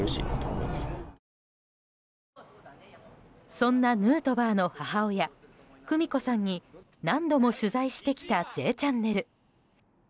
そんなヌートバーの母親久美子さんに何度も取材してきた「Ｊチャンネル」。